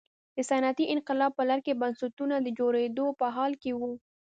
د صنعتي انقلاب په لړ کې بنسټونه د جوړېدو په حال کې وو.